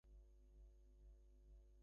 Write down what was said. পাথর খসে পড়ছে না।